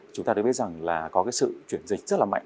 chúng ta đều biết rằng là có cái sự chuyển dịch rất là mạnh